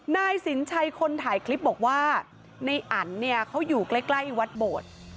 นายสินชัยคนถ่ายคลิปบอกว่าในอันเนี่ยเขาอยู่ใกล้วัดโบสถ์